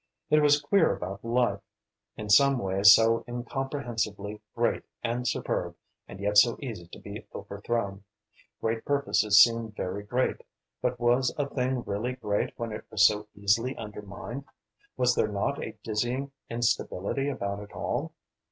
It was queer about life. In some ways so incomprehensively great and superb, and yet so easy to be overthrown. Great purposes seemed very great, but was a thing really great when it was so easily undermined? Was there not a dizzying instability about it all?